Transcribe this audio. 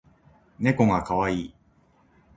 ねこがかわいい